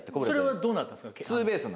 それはどうなったんですか？